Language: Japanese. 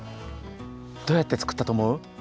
どうやってつくったとおもう？